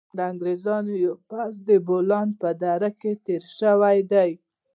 د انګریزانو یو پوځ د بولان په دره کې را تېر شوی دی.